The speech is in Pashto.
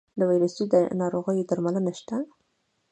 د ویروسي ناروغیو درملنه شته؟